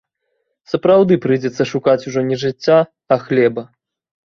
Сапраўды прыйдзецца шукаць ужо не жыцця, а хлеба.